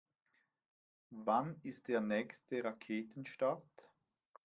Wann ist der nächste Raketenstart?